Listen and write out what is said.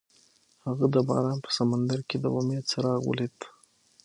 هغه د باران په سمندر کې د امید څراغ ولید.